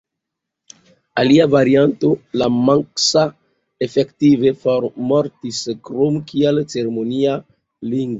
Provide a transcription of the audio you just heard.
Alia varianto, la manksa, efektive formortis krom kiel ceremonia lingvo.